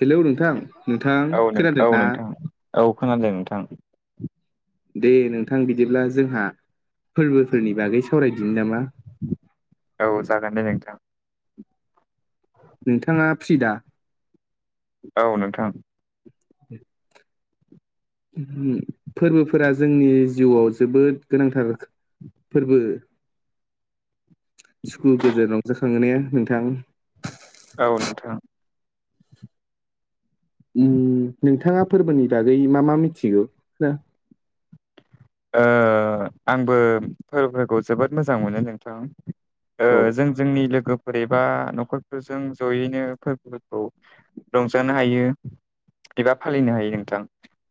Hello नोंथां नोंथां औ नों खोनादों औ ना? नोंथां औ खोनादों नोंथां दे नोंथां बिदिब्ला जोंहा फोरबोफोरनि बागै सावरायदिनो नामा? औ जागोन दे नोंथां नोंथाङा फ्रि दा? औ नोंथां [inaudible] फोरबोफोरा जोंनि जिउआव जोबोद गोनांथार फोरबो सुखु गोजोन रंजाखांयो ने नोंथां औ नोंथां उम नोंथाङा फोरबोनि बागै मा मा मिथिगौ ना ओ आंबो फोरबोफोरखौ जोबोद मोजां मोनो नोंथां ओ औ जों जोंनि लोगोफोर एबा न'खरफोरजों जयैनो फोरबोफोरखौ रंजानो हायो एबा फालिनो हायो नोंथां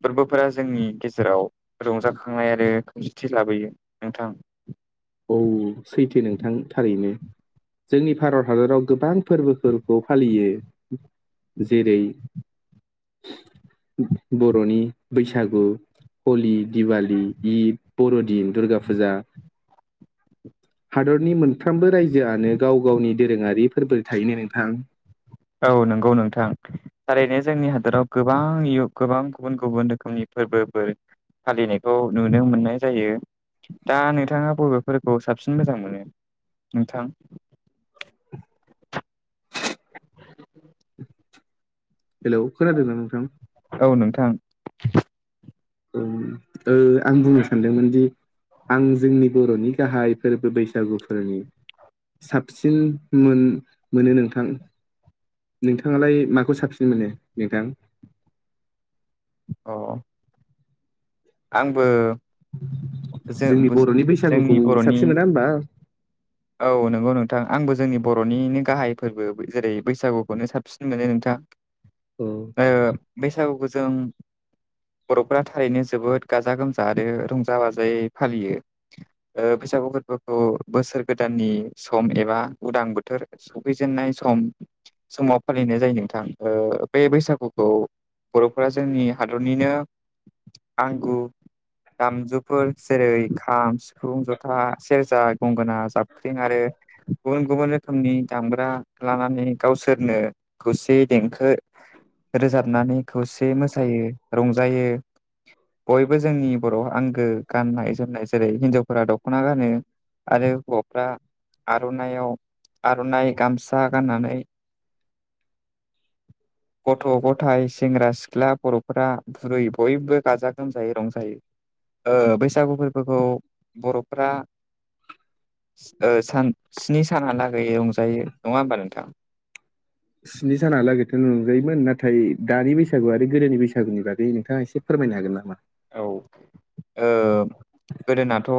फोरबोफोरा जोंनि गेजेराव रंजा खांनाय आरो खौसेथि लाबोयो नोंथां औ सैथो नोंथां थारैनो जोंनि भारत हादराव गोबां फोरबोफोरखौ फालियो जेरै बर'नि बैसागु हलि दिवाली दि बर'दिन दुर्गा फुजा हादरनि मोनफ्रोमबो रायजोआनो गाव गावनि दोरोङारि फोरबो थायोनो नोंथां औ नंगौ नोंथां थारैनो जोंनि हादोराव गोबां गोबां गुबुन गुबुन रोखोमनि फोरबोफोर फालिनायखौ नुनो मोननाय जायो दा नोंथाङा बबेफोरखौ साबसिन मोजां मोनो नोंथां [unintelligible] हेल' खोनादों ना नोंथां औ नोंथां आं बुंनो सानदोंमोन दि आं जोंनि बर'नि गाहाय फोरबो बैसागुफोरनि साबसिन मोन मोनो नोंथां नोंथाङालाय माखौ साबसिन मोनो नोंथां अ आंबो जो जोंनि बर'नि बैसागुखौ जोंनि बर'नि साबसिन मोना होमबा औ नंगौ नोंथां आंबो जोंनि बर'निनो गाहाय फोरबो जेरै बैसागुखौनो साबसिन मोनो नोंथां। अ बैसागुखौ जों बर'फोरा थारैनो जोबोद गाजा गोमजा आरो रंजा बाजायै फालियो। बैसागु फोरबोखौ बोसोर गोदाननि सम एबा उदां बोथोर सफैजेननाय सम समाव फालिनाय जायो नोंथां बे बैसागुखौ बर'फोरा जोंनि हादरनिनो आंगु दामजुफोर जेरै खाम सिफुं जथा सेरजा गंगोना जाबख्रिं आरो गुबुन गुबुन रोखोमनि दामग्रा लानानै गावसोरनो खौसे देंखो रोजाबनानै खौसे मोसायो रंजायो। बयबो जोंनि बर' आंगो गाननाय जोमनाय जेरै हिनजावफोरा दख'ना गानो। आरो हौवाफ्रा आर'नाइयाव आर'नाइ गामसा गाननानै [inaudible] गथ' गथाइ सेंग्रा सिख्ला बर'फोरा बुरै बयबो गाजा गोमजायै रंजायो बैसागु फोरबोखौ बर'फ्रा सान स्नि सानहालागै रंजायो नङा होमबा नोंथां स्नि सानालागैथ' नंजायोमोन नाथाय दानि बैसागु आरो गोदोनि बैसागुनि बागै नोंथाङा एसे फोरमायनो हागोन नामा? औ ओ गोदोनाथ'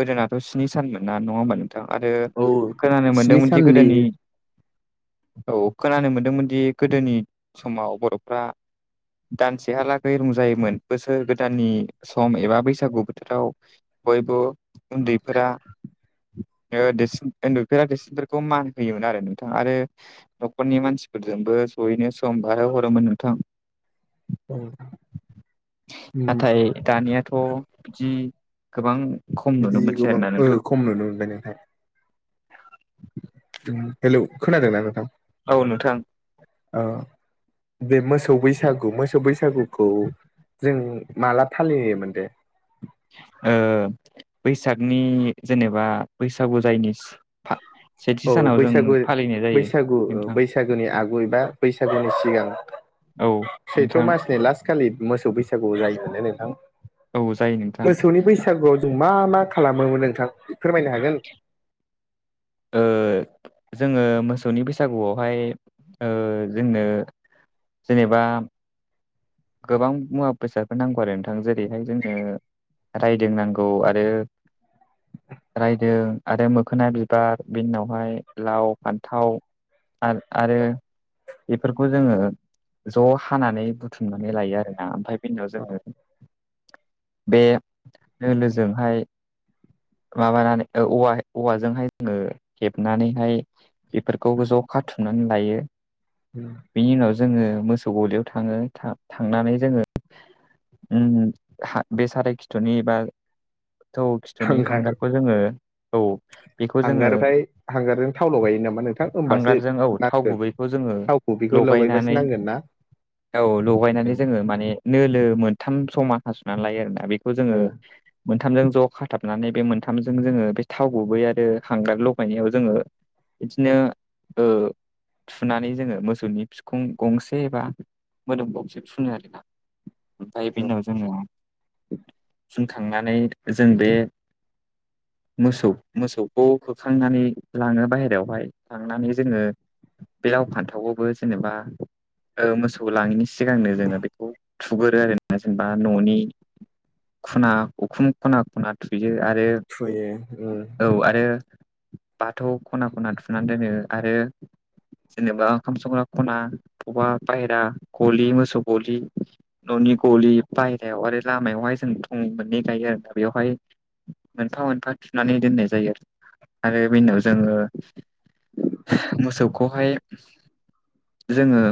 गोदोनाथ' स्नि सानमोन ना नङा होमबा नों आरो औ खोनानो स्नि मोनदोंमोनदि साननि गोदोनि औ खोनानो मोन्दोंमोनदि गोदोनि समाव बर'फ्रा दानसेहालागै रंजायोमोन बोसोर गोदाननि सम एबा बैसागु बोथोराव बयबो उन्दैफोरा देरसिन उन्दैफोरा देरसिनफोरखौ मान होयोमोन आरो नोंथां आरो न'खरनि मानसिफोरजोंबो जयैनो सम बारो हरोमोन नोंथां। औ नाथाय दानियाथ' बिदि गोबां खम बिदि नुनो मोनसै गोबां आरोना ओ नोंथां। खम नुनो मोनबाय नोंथां हेल' खोनादोंना नोंथां? औ नोंथां। औ। बे मोसौ बैसागु मोसौ बैसागुखौ जों माला फालियोमोन दे। बैसागनि जेनेबा बैसागु जायैनि सि सेथि औ सानाव बैसागु जों फालिनाय जायो बैसागु ओ नोंथां। बैसागुनि आगु एबा बैसागुनि सिगां औ सैथ्र' नोंथां मार्चनि लास्ट खालि मोसौ बैसागु जायो होननानै नोंथां औ जायो नोंथां मोसौनि बैसागु बैसागुआव जों मा मा खालामोमोन नोंथां फोरमायनो हागोन? ओ जोङो मोसौनि बैसागुआवहाय ओ जोंनो जेनेबा गोबां मुवा बेसादफोर नांगौ आरो नोंथां जेरैहाय जोंनो रायदों नांगौ आरो रायदों आरो मोखोना बिबार बिनि उनावहाय लाव फान्थाव आरो आरो बेफोरखौ जोङो ज' हानानै बु थुमनानै लायो आरोना ओमफ्राय बिनि उनाव जोङो बे दोलोजोंहाय माबानानै औ औवाजोंहाय जोङो हेबनानैहाय बेफोरखौबो ज' खाथुमनानै लायो। उम। बिनि उनाव जोङो मोसौ गलियाव थाङो थांनानै जोङो। बे साराय खिथुनि बा थौ खिथुनि हांगार हांगारखौ जोङो औ बेखौ जोङो हांगारनिफ्राय हांगारजों थाव लगायो नामा नोंथां होमबासो हांगारजों औ थाव नांगोन गुबैखौ जोङो थावखौ बेखौ लगायबासो लगायनानै नांगोन [inaudible] औ लगायनानै जोङो माने नोलो मोनथाम समान हासुनानै लायो आरोना बेखौ जोङो मोनथामजों ज' खाथाबनानै बे मोनथामजों जोङो बे थाव गुबै आरो हांग्रा लगायनायाव जोङो बिदिनो थुनानै जोङो मोसौनि बिखुं गंसे एबा मोदोमबावसो फुनो आरोना ओमफ्राय ओ बेनाव जोङो जोंखांनानै जों बे मोसौ मोसौखौ खोखांनानै लाङो बाहेरायावहाय थांनानै जोङो बे आाव फान्थावआवबो जेनेबा मोसौ थ लाङिनि सिगांनो जोङो बेखौ थुगोरो आरो ना जेनेबा न'नि खना उखुम खना खना थुयो आरो थुयो। औ आरो बाथौ खना खना थुनानै दोनो आरो। जेनेबा ओंखाम संग्रा खना बबबा बायेरा गलि मोसौ गलि न'नि गलि बायेरायाव आरो लामायावहाय जों फं मोननै गायो आरो दा बेवहाय मोनफा मोनफा थुनानै दोननाय जायो आरो बेनाव जोङो मोसौखौहाय जोङो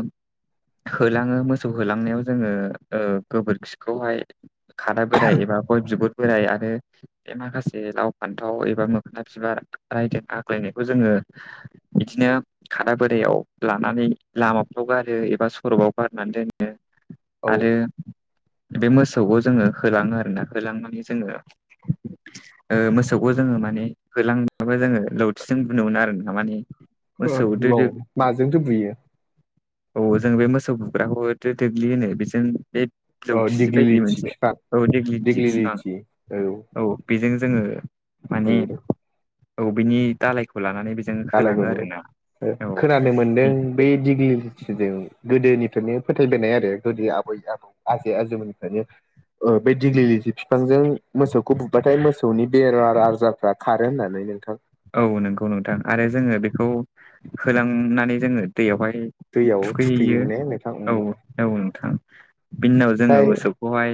होलाङो मोसौ होलांनायाव जोङो गोबोरखिखौहाय खादा बोराय एबा गय जबोद बोराय आरो बे माखासे लाव फान्थाव एबा मोखोना बिबार रायदों आग्लायनायखौ जोङो बिदिनो खादा बोराइयाव लानानै लामाफ्राव गारो एबा खरबआव बारनानै दोनो औ आरो बे मोसौखौ जोङो होलाङो आरोोना होलांनानै जोङो मोसौखौ जोङो माने होलांबाबो जोङो लौथिजों बुनो मोनो आरो ना माने मोसौ औ दोलो माजोंथ' बुयो। औ जों बे मोसौ बुग्राखौथ' दग्लि होनो बेजों बे अ जौथि बायदि दिग्लिलिथि मोनसे बिफां औ देग्लि जिबसबां दिग्लिलिथि औ बेजों जोङो माने बि औ बिनि दालायखौ लानानै बेजों होलाङो जालायगनो आरोना औ खोनानो मोनदों बे दिग्लिजों गोदोनिफ्रायनो फोथायबायोनाय आरो गोदो आबै आबौ आजै आजौमोननिफ्रायनो ओ बे दिग्लिलि जि बिफांजों मोसौखौ बुबबाथाय मोसौनि बेरार आजारफ्रा खारो होननानै नोंथां औ नंगौ नोंथां आरो जोङो बेखौ होलांनानै जोङो दैयावहाय दैयाव थुखैहैयो थुखैयो ने नोंथां उम औ औ नोंथां बिनि उनाव जोङो मोसौखौहाय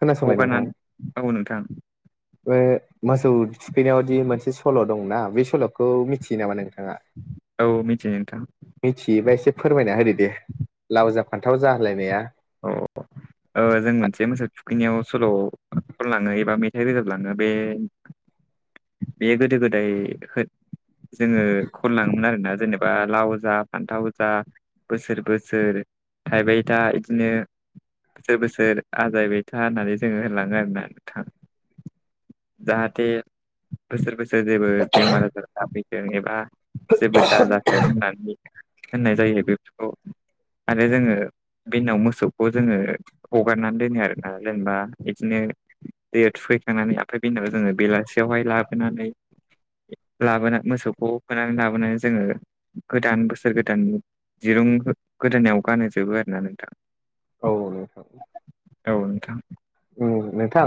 खोनासंबाय नोंथां हगारनानै औ नोंथां बे मोसौ थुखैनायावदि मोनसे सल' दंना बे सल'खौ मिथियो नामा नोंथाङा? औ मिथियो नोंथां मिथियोबा एसे फोरमायना होदो दे लाव जा फान्थाव जोलायनाया औ ओ जों मोनसे मोसौ थुखैनायाव सल' खनलाङो एबा मेथाइ रोजोबलाङो बे बेयो गोदो गोदाय जोङो खनलाङोमोन आरोना जेनेबा लाव जा फान्थाव जा बोसोर बोसोर थाइबाय था बिदिनो बोसोर बोसोर आजायबाय था होननानै जोङो होलाङो आरोना नोंथाङा जाहाथे बोसोर बोसोर जेबो बेमार आजार दा फैथों एबा जेबो दाजाथों होननानै होननाय जायो बेफोरखौ आरो जोङो बिनि उनाव मोसौखौ जोङो हगारनानै दोनो आरोना जेनेबा बिदिनो दैयाव थुखैखांनानै आफ्राय बिनाव जोङो बेलासियावहाय लाबोनानै लाबोना मोसौखौ होनानै लाबोनानै जोङो गोदान बोसोर गोदान दिरुं गोदोनायाव गानोहोजोबो आरोना औ नोंथां औ नोंथां उम नोंथां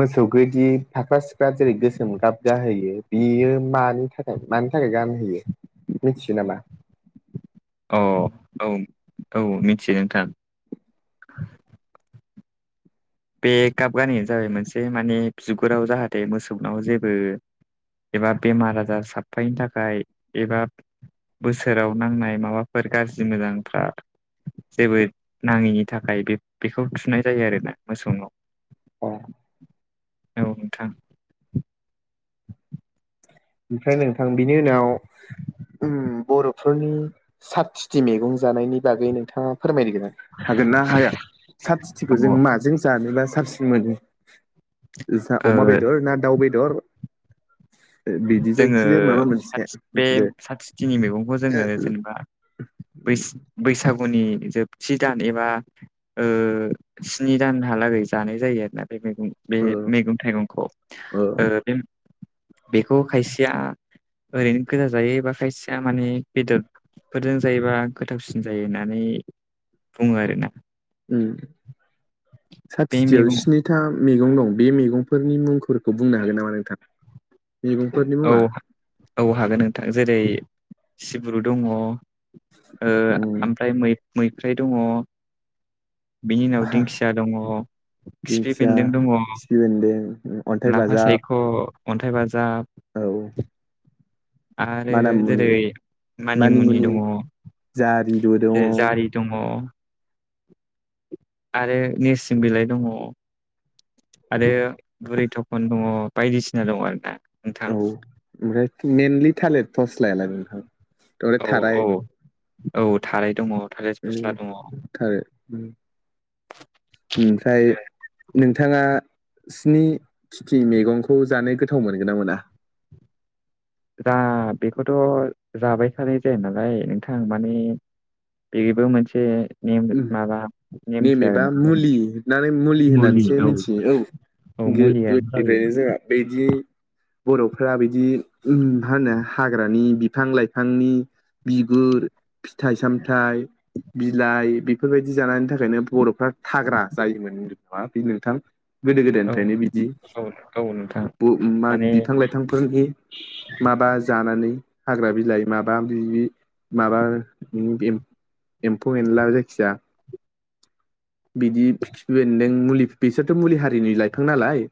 मोसौ गदि फाख्रा सिख्रा जेरै गोसोम गाब जाहोयो बियो मानि थाखाय मानि थाखाय गानहोयो मिथियो नामा? अ औ औ मिथियो नोंथां बे गाब गानायानो जाबाय मोनसे माने बिगुराव जाहाथे मोसौनाव जेबो एबा बेमार आजार साबफायनि थाखाय एबा बोसोराव नांनाय माबाफोर गाज्रि मोजांफ्रा जेबो नाङिनि थाखाय बे बेखौ थुनाय जायो आरोना मोसौनाव अ औ नोंथां ओमफ्राय नोंथां बिनि उनाव ओम बर'फोरनि साथ थिथि मैगं जानायनि बागै नोंथाङा फोरमायनो गोनां हागोन ना हाया साथ थिथिखौ जों औ माजों जानोबा साबसिन मोनो जा ओ अमा बेदर ना दाउ बेदर? बिदि जोङो जायखिजाया माबा मोनसे बे दे साथ थिथिनि मैगंखौ जोङो जेनेबा बैसागुनि जोबथि दान एबा स्नि दानहालागै जानाय जायो आरोना बे मैगं बे ओ मैगं थाइगंखौ ओ बे बेखौ खायसेया ओरैनो गोजा जायो एबा खायसेया माने बेदर फोरजों जायोबा गोथावसिन जायो होननानै बुङो आरोना उम साथ बे थिथियाव मैगं स्नि था मैगं दं बे मैगंफोरनि मुंफोरखौ बुंनो हागोन नामा नोंथां मैगंफोरनि औ मुङा औ हागोन नोंथां जेरै सिब्रु दङ ओ उम ओमफ्राय मै मैफ्राय दङ बिनि उनाव दिंखिया दङ। खिफि दिंखिया बेन्दों दङ खिफि बेन्दों अन्थाइ लाफा बाजाब सायख अन्थाइ बाजाब औ आरो जेरै मानामुनि मानिमुनि दङ जारिबो दङ जेरै औ जारि दङ। आरो नेरसिं बिलाइ दङ। आरो बुरि थखन दङ बायदिसिना दङ आरोना। नोंथां औ ओमफ्राय मइेनलि थालेर फस्लायालाय नोंथां? ओमफ्राय औ थाराय औ औ थाराइ दङ थालेर फस्ला दङ। थारै उम ओमफ्राय नोंथाङा स्नि थिथि मेगंखौ जानो गोथाव मोनगोना मोना? दा बेखौथ‌' जाबाय थानाय जाया नालाय नोंथां माने बेबो मोनसे नेम उम माबा नेमसो नेम एबा आरोना मुलि होननानै मुलि होननानैसो मिथियो औ। औ गो मुलियानो जायो गोदायनिफ्रायनो जोंहा बेदि बर'फोरा बिदि मा होनो हाग्रानि बिफां लाइफांनि बिगुर फिथाइ सामथाइ बिलाइ बेफोरबायदि जानायनि थाखायनो बर' फोरा थाग्रा जायोमोनो [unintelligible] बि नोंथां गोदो औ गोदायनिफ्रायनो बिदि औ औ नोंथां बु मा माने बिफां लाइफांफोरनि माबा जानानै हाग्रा बिलाइ माबा बिबि माबा एम एम्फौ एनला जायखिजाया बिदि खिफिबेन्दों मुलि बिसोरथ' मुलि हारिनि लाइफां नालाय।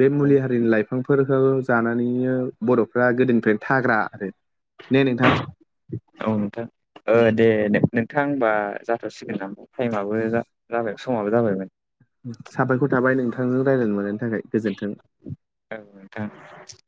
बे औ मुलि हारिनि लाइफांफोरखौ जानानैनो बर'फ्रा गोदोनिफ्रायनो थाग्रा आरो। ने नोंथां औ नोंथां ओ दे दे नों थां ओमबा जाथ'सिगोन नामा टाइमआबो जाबाय समाबो जाबायमोन। साबायखर थाबाय नोंथांजों रायलायनो मोननायनि थाखाय गोजोन्थों। जागोन नोंथां।